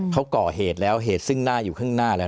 เขาก่อเหตุแล้วเหตุซึ่งหน้าอยู่ข้างหน้าแล้ว